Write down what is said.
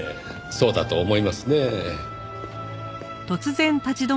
そうだと思いますねぇ。